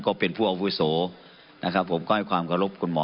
ก็เป็นผู้อาวุโสนะครับผมก็ให้ความเคารพคุณหมอ